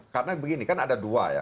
karena begini kan ada dua ya